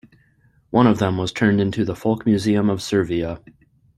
One of them was turned into the Folk Museum of Servia.